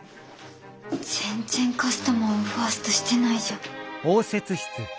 全然カスタマーをファーストしてないじゃん。